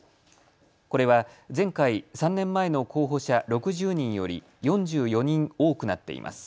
これは前回３年前の候補者６０人より４４人多くなっています。